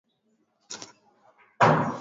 Mwaka ujao nitanunua gari